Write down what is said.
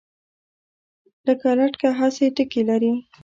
لکه لټکه هسې ټګي لري